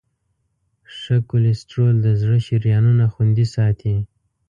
ښه کولیسټرول د زړه شریانونه خوندي ساتي.